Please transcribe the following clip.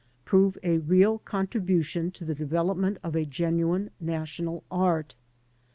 — ^prove a real contribution to the develop ment of a genuine national art.